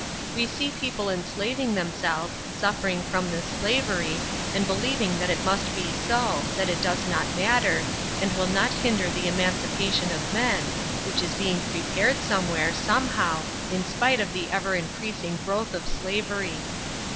We see people enslaving themselves, suffering from this slavery, and believing that it must be so, that it does not matter, and will not hinder the emancipation of men, which is being prepared somewhere, somehow, in spite of the ever increasing growth of slavery.